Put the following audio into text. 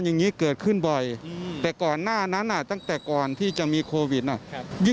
นี่เห็นไหม